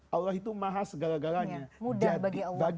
allah itu mahas gala galanya